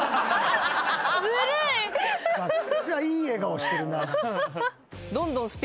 いい笑顔してるな。